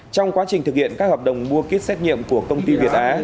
trong quá trình thực hiện các hợp đồng mua ký kết xét nghiệm của công ty việt á